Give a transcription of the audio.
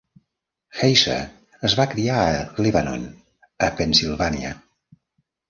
Heiser es va criar a Lebanon, a Pennsilvània.